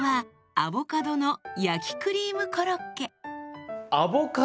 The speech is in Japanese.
アボカドの焼きクリームコロッケ⁉